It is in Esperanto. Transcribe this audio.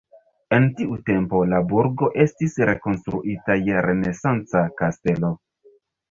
En tiu tempo la burgo estis rekonstruita je renesanca kastelo.